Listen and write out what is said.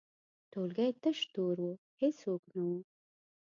ټولګی تش تور و، هیڅوک نه وو.